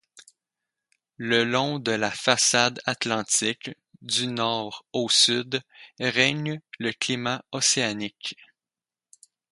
Le long de la façade Atlantique, du nord au sud, règne le climat océanique.